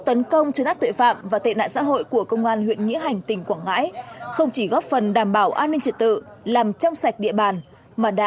tấn công chấn áp tội phạm